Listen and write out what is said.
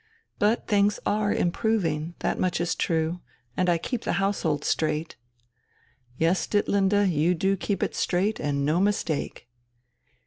But things are improving, that much is true, and I keep the household straight...." "Yes, Ditlinde, you do keep it straight and no mistake!"